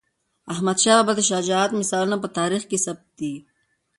احمدشاه بابا د شجاعت مثالونه په تاریخ کې ثبت دي.